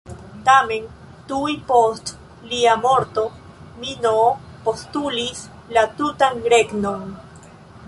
Tamen, tuj post lia morto Minoo postulis la tutan regnon.